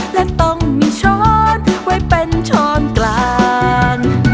และต้องมีช้อนไว้เป็นช้อนกลาง